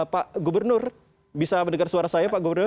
pak gubernur bisa mendengar suara saya pak gubernur